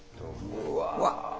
うわっ。